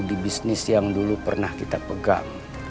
di bisnis yang dulu pernah kita pegang